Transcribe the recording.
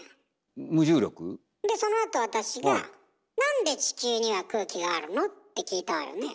そのあと私が「なんで地球には空気があるの？」って聞いたわよね？